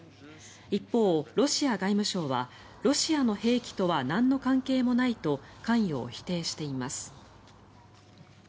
一方、ロシア外務省はロシアの兵器とはなんの関係もないと関与を否定しています。